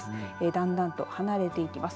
だんだんと離れていきます。